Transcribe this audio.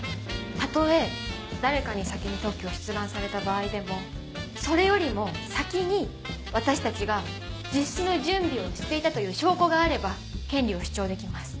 たとえ誰かに先に特許を出願された場合でもそれよりも先に私たちが実施の準備をしていたという証拠があれば権利を主張できます。